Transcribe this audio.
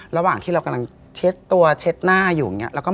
ระหว่างที่เรากำลังเช็ดตัวเช็ดหน้าอยู่อย่างนี้